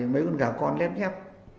mấy con gà con lép nhép